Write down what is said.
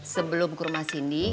sebelum ke rumah cindy